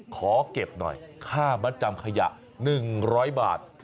ขอเก็บหน่อยค่ามัดจำขยะ๑๐๐บาท